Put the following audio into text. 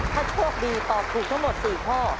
ถ้าโชคดีตอบถูกทั้งหมด๔ข้อ